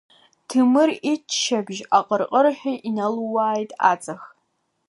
Ҭемыр иччабжь аҟыр-ҟырҳәа иналууааит аҵх уа.